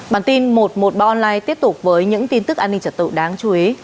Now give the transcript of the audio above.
bản tin một trăm một mươi ba online tiếp tục với những tin tức an ninh trật tự đáng chú ý